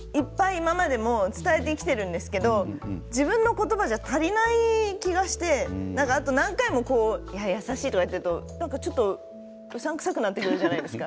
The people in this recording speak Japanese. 今までも伝えてきてるんですけれど自分の言葉じゃ足りない気がして何回も優しいとか言っているとちょっと、うさんくさくなってくるじゃないですか。